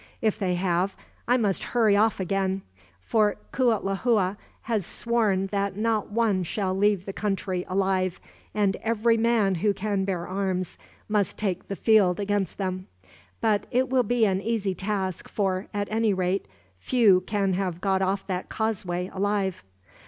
If they have, I must hurry off again; for Cuitlahua has sworn that not one shall leave the country, alive, and every man who can bear arms must take the field against them. But it will be an easy task for, at any rate, few can have got off that causeway alive."